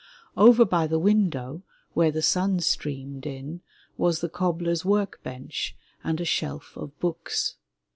Over by the window, where the sun streamed in, was the cobbler's work bench and a shelf of books.